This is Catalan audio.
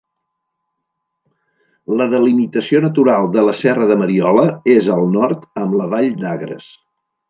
La delimitació natural de la serra de Mariola és al nord amb la vall d'Agres.